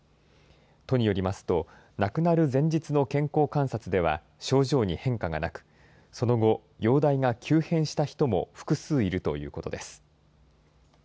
都によりますと、亡くなる前日の健康観察では症状に変化がなく、その後、容体が急変した人も複数いるということです。